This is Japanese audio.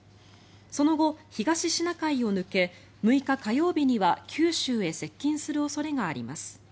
その後、東シナ海を抜け６日火曜日には九州へ接近する恐れがあります。